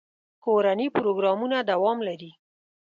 کورني پروګرامونه دوام لري.